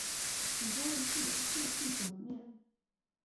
你中文系的，這個字怎麼念？